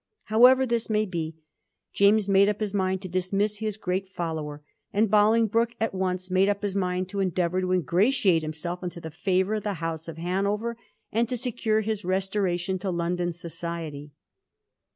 However this may be, James made up his mind to dismiss his great follower, and Boling broke at once made up his mind to endeavour to ingratiate himself into the favour of the House of Hanover, and to secure his restoration to London society.